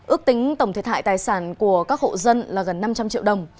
ước tính tổng thiệt hại tài sản của các hộ dân là gần năm trăm linh triệu đồng